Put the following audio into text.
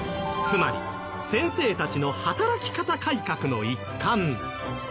つまり先生たちの働き方改革の一環。